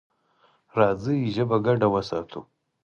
راځئ ژبه ګډه وساتو.